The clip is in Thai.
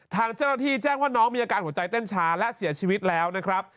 ทางเจ้าหน้าที่แจ้งว่าน้องมีอาการหัวใจเต้นชาและเสียชีวิตแล้วนะครับ